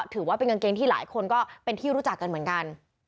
ถือว่าเป็นกางเกงที่หลายคนก็เป็นที่รู้จักกันเหมือนกัน